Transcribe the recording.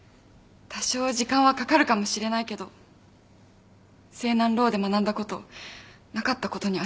多少時間はかかるかもしれないけど青南ローで学んだことなかったことにはしない。